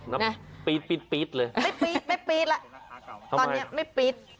ปี๊ดปี๊ดเลยไม่ปี๊ดไม่ปี๊ดแล้วตอนนี้ไม่ปี๊ด